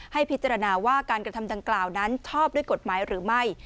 ให้พิจารณาว่าการกระทำดังกล่าวนั้นชอบด้วยกฎหมายหรือไม่